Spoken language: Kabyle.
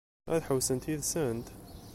Ad ḥewwsent yid-sent?